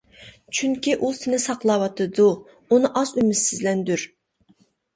چۈنكى ئۇ سېنى ساقلاۋاتىدۇ، ئۇنى ئاز ئۈمىدسىزلەندۈر.